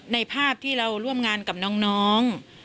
ภาพที่เราร่วมงานกับน้อง